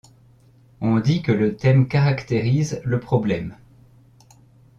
On dit que le thème caractérise le problème.